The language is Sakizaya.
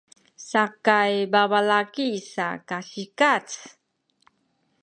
sakay babalaki sa kasikaz